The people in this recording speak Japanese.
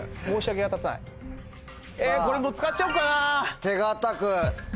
これもう使っちゃおっかな！